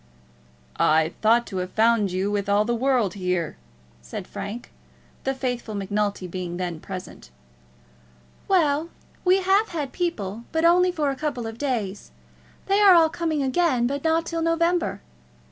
"I thought to have found you with all the world here," said Frank, the faithful Macnulty being then present. "Well, we have had people, but only for a couple of days. They are all coming again, but not till November.